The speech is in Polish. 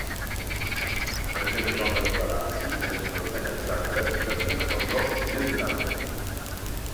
Będziemy żądać gwarancji, będziemy oceniać zakres i zaczniemy od lotów międzynarodowych